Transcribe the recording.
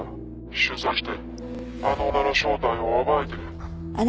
取材してあの女の正体を暴いてくれ。